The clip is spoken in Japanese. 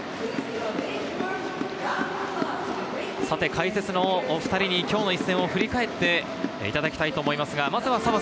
解説のお２人に今日の一戦を振り返っていただきたいと思います。